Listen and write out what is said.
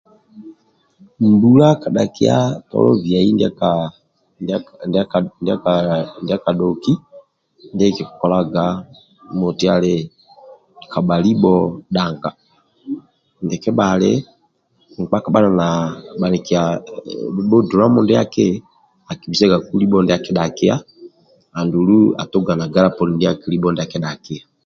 Mbula kadhakia tolo biai ndiandiakaa dia kana kaaa ndiakadhoki ndie kikikolaga moti ali kabha libho dhanga ndie kebhali nkpa kabha nali na bhanikia bhanikia bu dulamu ndiaki akibisagaku libho ndia akidhakia andulu atuga na galaponi libho ndia akidhakia